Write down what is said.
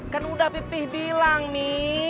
kan udah pipih bilang nih